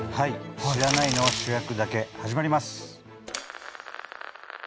「知らないのは主役だけ」始まります。